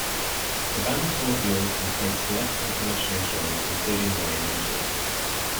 The band toured Europe and played select international shows, including one in Egypt.